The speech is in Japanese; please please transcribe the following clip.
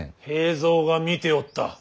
平三が見ておった。